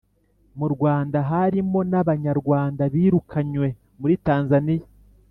mu rwanda, harimo n’abanyarwanda birukanywe muri tanzaniya